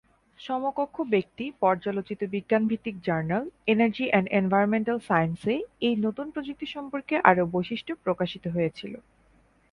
সমকক্ষ ব্যক্তি-পর্যালোচিত বিজ্ঞান ভিত্তিক জার্নাল "এনার্জি এন্ড এনভায়রনমেন্টাল সায়েন্সে এই" নতুন প্রযুক্তি সম্পর্কে আরও বৈশিষ্ট্য প্রকাশিত হয়েছিল।